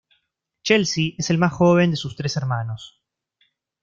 Chelsea es el más joven de sus tres hermanos.